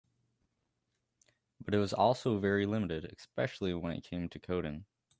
But it was also very limited, especially when it came to coding.